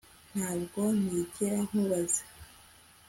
Ntabwo nigera nkubabaza